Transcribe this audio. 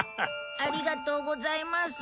ありがとうございます。